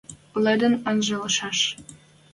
Лыдын анжышаш...